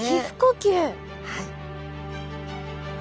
はい。